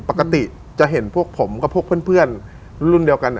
ปกติจะเห็นพวกผมกับพวกเพื่อนรุ่นเดียวกัน